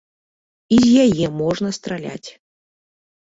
І з яе можна страляць.